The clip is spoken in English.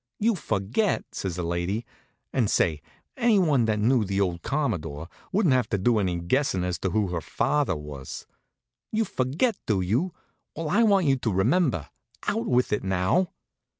"You forget!" says the lady. And say, anyone that knew the old Commodore wouldn't have to do any guessin' as to who her father was. "You forget, do you? Well, I want you to remember. Out with it, now!"